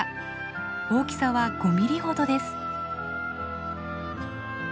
大きさは５ミリほどです。